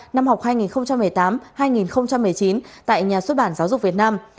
năm học hai nghìn một mươi tám hai nghìn một mươi chín tại nhà xuất bản giáo dục việt nam